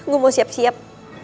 gue mau siap siap